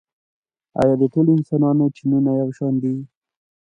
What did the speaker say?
ایا د ټولو انسانانو جینونه یو شان دي؟